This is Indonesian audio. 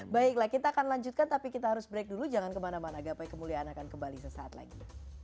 baiklah kita akan lanjutkan tapi kita harus break dulu jangan kemana mana gapai kemuliaan akan kembali sesaat lagi